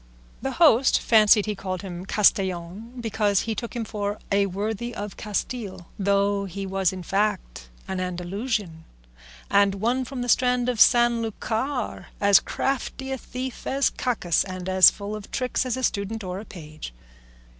'" The host fancied he called him Castellan because he took him for a "worthy of Castile," though he was in fact an Andalusian, and one from the strand of San Lucar, as crafty a thief as Cacus and as full of tricks as a student or a page.